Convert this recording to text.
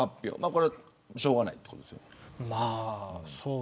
これは、しょうがないということですよね。